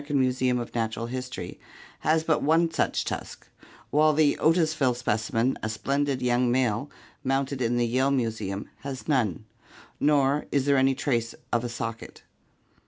Americun Museum of Natural History, has one such tusk, while the Otisville specimen, a splendid young male mounted in the Yale Museum, has none, nor is there any trace of a socket.